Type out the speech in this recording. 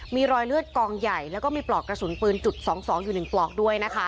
มีรอยเลือดกองใหญ่แล้วก็มีปลอกกระสุนปืนจุด๒๒อยู่๑ปลอกด้วยนะคะ